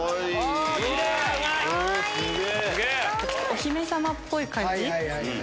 お姫様っぽい感じ。